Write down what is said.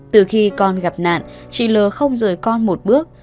từ khi con gặp nạn chị l không rời con một bước